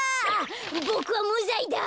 ボクはむざいだ。